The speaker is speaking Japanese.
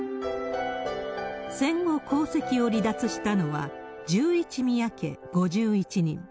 戦後、皇籍を離脱したのは１１宮家５１人。